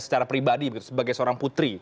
secara pribadi begitu sebagai seorang putri